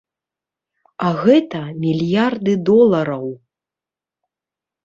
А гэта мільярды долараў.